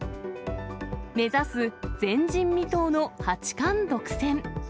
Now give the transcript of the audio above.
目指す前人未到の八冠独占。